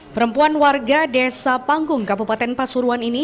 perempuan warga desa panggung kabupaten pasuruan ini